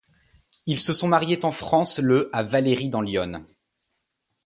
Ils se sont mariés en France le à Vallery dans l'Yonne.